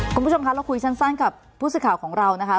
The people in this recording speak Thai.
คุณผู้ชมคะเราคุยสั้นกับผู้สื่อข่าวของเรานะคะ